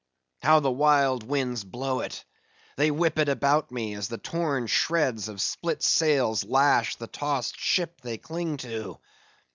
How the wild winds blow it; they whip it about me as the torn shreds of split sails lash the tossed ship they cling to.